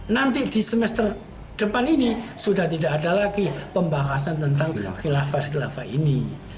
nanti di semester depan ini sudah tidak ada lagi pembahasan tentang khilafah khilafah ini